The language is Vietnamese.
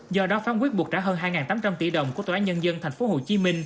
do đó phán quyết buộc trả hơn hai tám trăm linh tỷ đồng của tòa án nhân dân tp hcm